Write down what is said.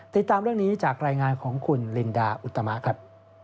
ติดตามเรื่องนี้จากรายงานของคุณลินดาอุตมะครับ